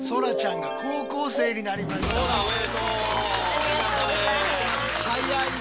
ありがとうございます。